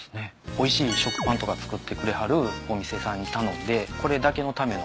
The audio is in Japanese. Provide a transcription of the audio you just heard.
おいしい食パンとか作ってくれはるお店さんに頼んでこれだけのための。